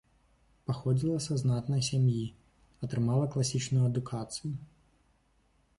Паходзіла са знатнай сям'і, атрымала класічную адукацыю.